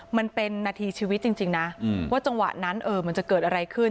มันเป็นนาทีชีวิตจริงนะว่าจังหวะนั้นมันจะเกิดอะไรขึ้น